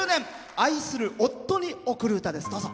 愛する夫に贈る歌です。